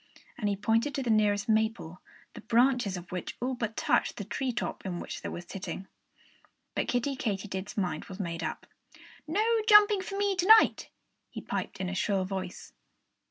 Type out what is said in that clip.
And he pointed to the nearest maple, the branches of which all but touched the tree top in which they were sitting. But Kiddie Katydid's mind was made up. "No jumping for me to night!" he piped in a shrill voice.